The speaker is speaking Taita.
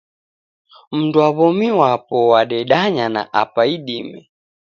Mundu wa w'omi wapo wadendanya na apa idime.